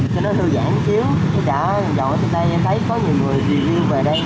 cho nó thư giãn chứ chứ cả dòng ở trên đây thấy có nhiều người vì yêu về đây